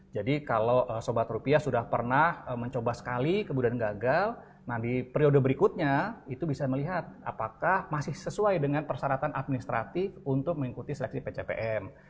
jadi kalau sobat rupiah sudah pernah mencoba sekali kemudian gagal nah di periode berikutnya itu bisa melihat apakah masih sesuai dengan persyaratan administratif untuk mengikuti seleksi pcpm